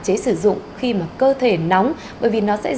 bớt được cơ thể nhưng mà thực ra thì